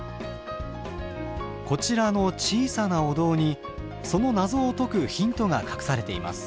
こちらの小さなお堂にその謎を解くヒントが隠されています。